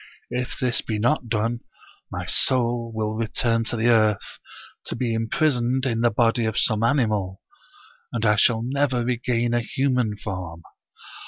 If this be not done, my soul will return to tike earth, to be imprisoned in the body of some animal, and I shall never regain a human form.